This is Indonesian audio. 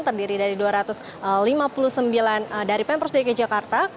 terdiri dari dua ratus lima puluh sembilan dari pemprov dki jakarta